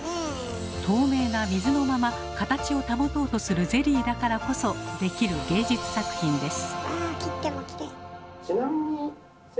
透明な水のまま形を保とうとするゼリーだからこそできる芸術作品です。